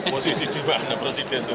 posisi di mana presiden